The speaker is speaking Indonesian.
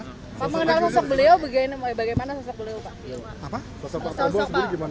hai mengenal sosok beliau begini bagaimana sosok beliau pak apa sosok sosok bagaimana